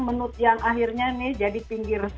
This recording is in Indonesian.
menut yang akhirnya ini jadi pinggir